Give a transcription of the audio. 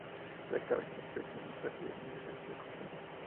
La caballa es una especie muy parecida, muchas veces se confunde.